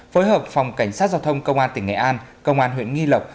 phối hợp phòng cảnh sát giao thông công an tỉnh nghệ an công an huyện nghi lộc